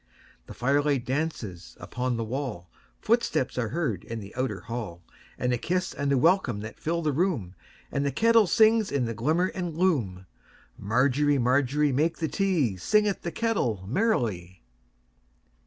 The firelight dances upon the wall, Footsteps are heard in the outer hall, And a kiss and a welcome that fill the room, And the kettle sings in the glimmer and gloom. Margery, Margery, make the tea, Singeth the kettle merrily.